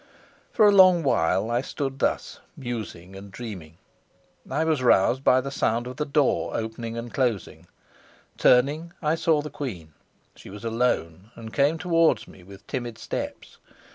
For a long while I stood thus, musing and dreaming; I was roused by the sound of the door opening and closing; turning, I saw the queen. She was alone, and came towards me with timid steps.